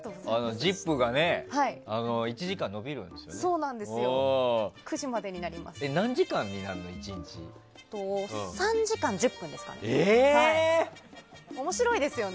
「ＺＩＰ！」が１時間延びるんですよね。